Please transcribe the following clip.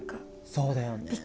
そうだよね。